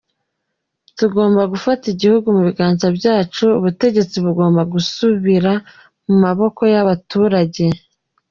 Tugomba gufata igihugu mu biganza byacu, ubutegetsi bugomba gusubira mu maboko y’abaturage.